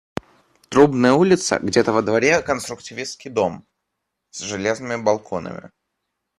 Трубная улица, где-то во дворе конструктивистский дом, с железными балконами.